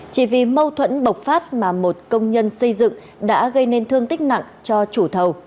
chỉ vì mâu thuẫn bộc phát mà một công nhân xây dựng đã gây nên thương tích nặng cho chủ thầu